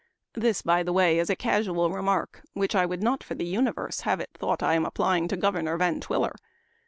This, by the way, is a casual remark, which I would not for the uni verse have it thought I apply to Governor Van Twiller.